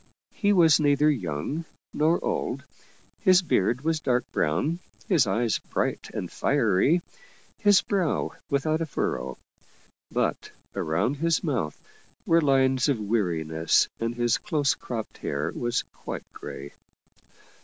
He was neither young nor old, his beard was dark brown, his eyes bright and fiery, his brow without a furrow. But around his mouth were lines of weariness and his close cropped hair was quite gray.